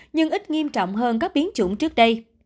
nhưng ít nghiêm trọng hơn các biến chủng trước đây